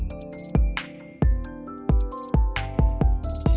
hẹn gặp lại